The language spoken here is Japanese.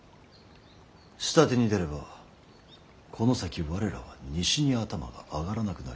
下手に出ればこの先我らは西に頭が上がらなくなります。